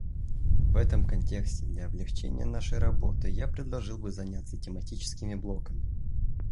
В этом контексте для облегчения нашей работы я предложил бы заняться тематическими блоками.